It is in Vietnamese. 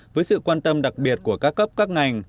với sự quan tâm đặc biệt của các cấp các ngành